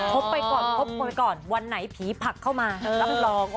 โครบไปก่อนโครบไปก่อนวันไหนผีผลักเข้ามารับลอง